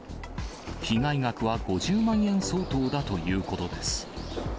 被害額は５０万円相当だということです。